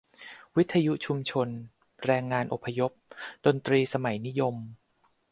วิทยุชุมชน-แรงงานอพยพ-ดนตรีสมัยนิยม